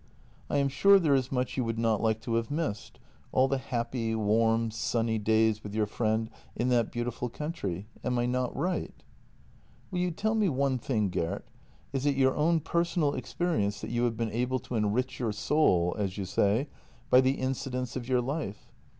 " I am sure there is much you would not like to have missed — all the happy, warm, sunny days with your friend in that beautiful country. Am I not right ?"" Will you tell me one thing, Gert? — is it your own personal experience that you have been able to enrich your soul, as you say, by the incidents of your life?